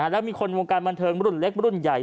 แล้วมีคนวงการบันเทิงรุ่นเล็กรุ่นใหญ่